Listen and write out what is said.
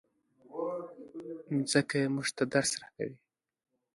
مځکه موږ ته درس راکوي.